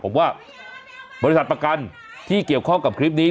ผมว่าบริษัทประกันที่เกี่ยวข้องกับคลิปนี้